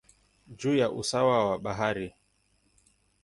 juu ya usawa wa bahari.